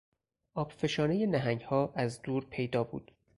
آبفشانهی نهنگها از دور پیدا بود.